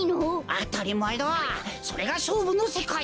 あたりまえだそれがしょうぶのせかい！